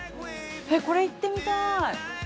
これ行ってみたい。